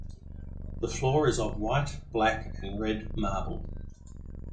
The floor is of white, black and red marble.